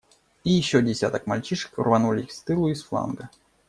И еще десяток мальчишек рванулись с тылу и с фланга.